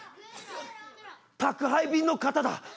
宅配便の方だ。